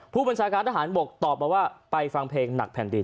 ผู้บัญชาการทหารบกตอบมาว่าไปฟังเพลงหนักแผ่นดิน